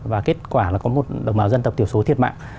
và kết quả là có một đồng bào dân tộc tiểu số thiệt mạng